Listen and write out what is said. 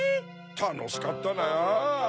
たのしかったな！